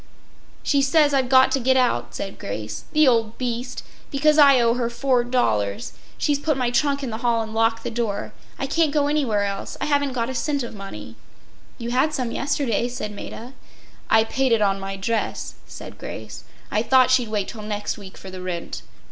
“She says I’ve got to get out,” said Grace. “The old beast. Because I owe her $4. She’s put my trunk in the hall and locked the door. I can’t go anywhere else. I haven’t got a cent of money.” “You had some yesterday,” said Maida. “I paid it on my dress,” said Grace. “I thought she’d wait till next week for the rent.